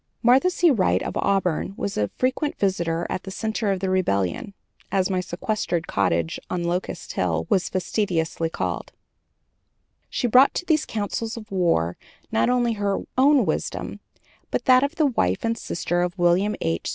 Martha C. Wright of Auburn was a frequent visitor at the center of the rebellion, as my sequestered cottage on Locust Hill was facetiously called. She brought to these councils of war not only her own wisdom, but that of the wife and sister of William H.